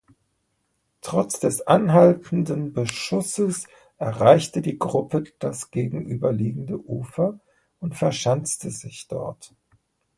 Trotz des anhaltenden Beschusses erreichte die Gruppe das gegenüberliegende Ufer und verschanzte sich dort.